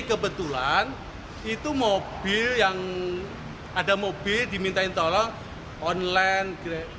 kebetulan itu mobil yang ada mobil dimintain tolong online